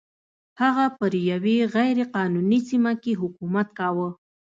هغه پر یوې غیر قانوني سیمه کې حکومت کاوه.